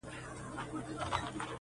يا هم کله چي يو افغان